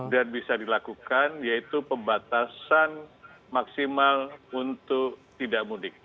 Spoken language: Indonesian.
dan bisa dilakukan yaitu pembatasan maksimal untuk tidak mudik